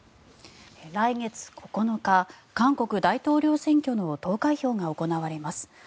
来月９日、韓国大統領選挙の投開票が行われます。